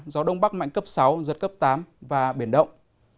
gió đông bắc mạnh cấp sáu giật cấp tám và biển động